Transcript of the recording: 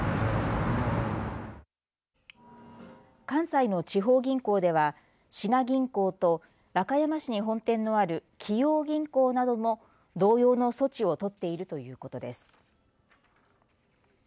関西の地方銀行では滋賀銀行と和歌山市に本店のある紀陽銀行なども同様の措置を取っているということです。